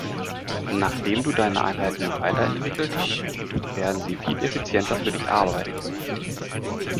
Nachdem du deine Einheiten weiterentwickelt hast, werden sie viel effizienter für dich arbeiten.